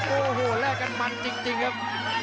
โอ้โหแลกกันมันจริงครับ